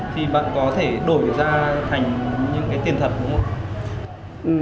thì bạn có thể đổi ra thành những cái tiền thật đúng không ạ